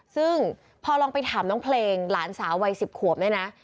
ซึ่งพอลองไปถามน้องเพลงหลานสาววัย๑๐ขวบเนี่ยนะ